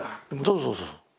そうそうそうそう。